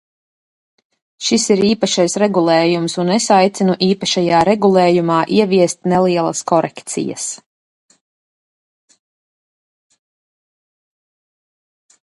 Šis ir īpašais regulējums, un es aicinu īpašajā regulējumā ieviest nelielas korekcijas.